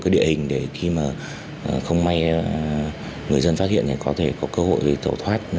được địa hình để khi mà không may người dân phát hiện có thể có cơ hội thì tẩu thoát